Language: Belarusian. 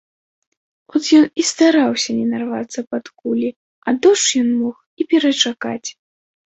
От ён і стараўся не нарвацца пад кулі, а дождж ён мог і перачакаць.